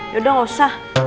ya udah nggak usah